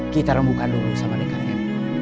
kita rembukkan dulu sama dekatnya